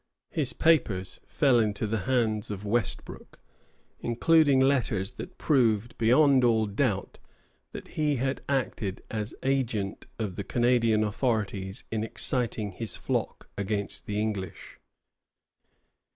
His papers fell into the hands of Westbrook, including letters that proved beyond all doubt that he had acted as agent of the Canadian authorities in exciting his flock against the English.